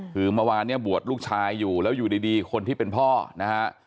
คือเมื่อวานเนี่ยบวชลูกชายอยู่แล้วอยู่ดีคนที่เป็นพ่อนะฮะ